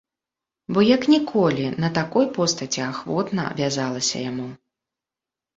Бо, як ніколі, на такой постаці ахвотна вязалася яму.